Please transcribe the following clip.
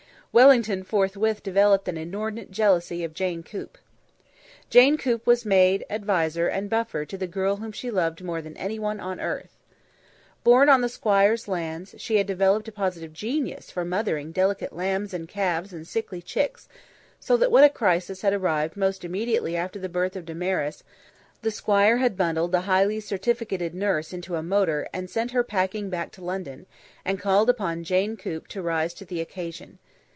Wellington forthwith developed an inordinate jealousy of Jane Coop. Jane Coop was maid, adviser and buffer to the girl whom she loved more than anyone on earth. Born on the Squire's lands, she had developed a positive genius for mothering delicate lambs and calves and sickly chicks, so that when a crisis had arrived almost immediately after the birth of Damaris, the Squire had bundled the highly certificated nurse into a motor and sent her packing back to London, and called upon Jane Coop to rise to the occasion.